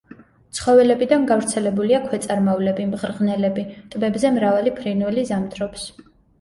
ცხოველებიდან გავრცელებულია ქვეწარმავლები, მღრღნელები, ტბებზე მრავალი ფრინველი ზამთრობს.